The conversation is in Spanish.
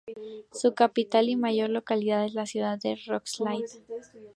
Su capital y mayor localidad es la ciudad de Roskilde.